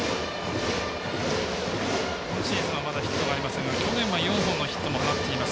今シーズンはまだヒットがありませんが去年は４本のヒットも放っています